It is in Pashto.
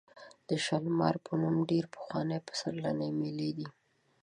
د شالمار په نوم ډېرې پخوانۍ پسرلنۍ مېلې دي.